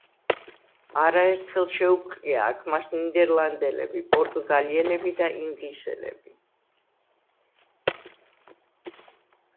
არაერთხელ შეუპყრია აქ მას ნიდერლანდელები, პორტუგალიელები და ინგლისელები.